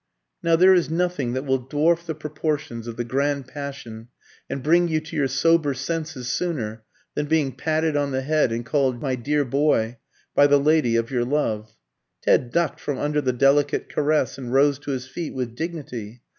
Now there is nothing that will dwarf the proportions of the grand passion and bring you to your sober senses sooner than being patted on the head and called "My dear boy" by the lady of your love. Ted ducked from under the delicate caress, and rose to his feet with dignity.